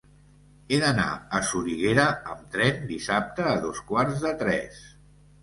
He d'anar a Soriguera amb tren dissabte a dos quarts de tres.